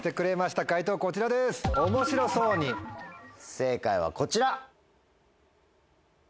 正解はこちら！